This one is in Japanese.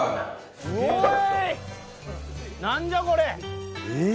おい何じゃこれ。